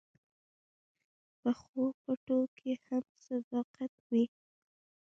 پخو پټو کې هم صداقت وي